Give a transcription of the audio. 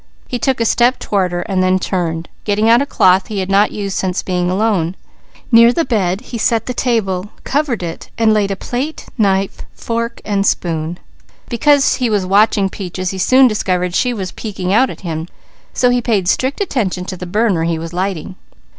He took a step toward her, and then turned, getting out a cloth he had not used since being alone. Near the bed he set the table and laid a plate, knife, fork and spoon. Because he was watching Peaches he soon discovered she was peeking out at him, so he paid strict attention to the burner he was lighting.